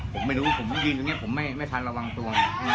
ผมไม่รู้ว่าผมแบบนี้ไม่ทันหลัวละประหว่างตัว